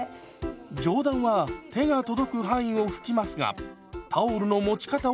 上段は手が届く範囲を拭きますがタオルの持ち方を変えます。